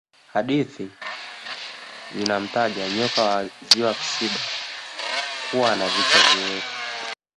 hadithi zinamtaja nyoka wa ziwa kisiba kuwa ana vichwa viwili